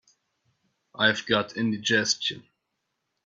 I've got indigestion.